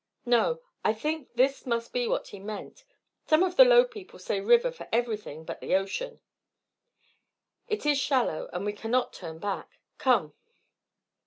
"No; I think this must be what he meant. Some of the low people say river for everything but the ocean. It is shallow, and we cannot turn back. Come."